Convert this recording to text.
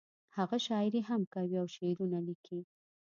هغه شاعري هم کوي او شعرونه ليکي